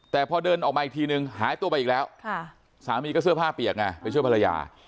แต่พอเดินออกมาอีกทีนึงหายตัวไปอีกแล้วสามีก็เสื้อผ้าเปียกไงไปช่วยภรรยา